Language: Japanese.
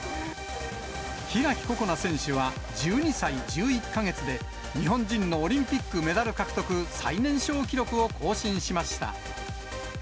開心那選手は、１２歳１１か月で、日本人のオリンピックメダル獲得最年少記録を更新しました。